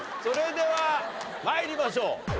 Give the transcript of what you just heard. それでは参りましょう。